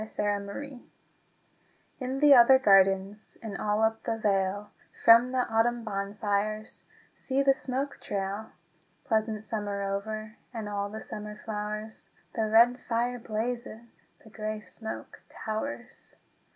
VI Autumn Fires In the other gardens And all up the vale, From the autumn bonfires See the smoke trail! Pleasant summer over And all the summer flowers, The red fire blazes, The grey smoke towers.